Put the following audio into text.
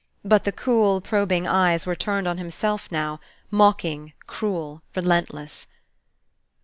But the cool, probing eyes were turned on himself now, mocking, cruel, relentless.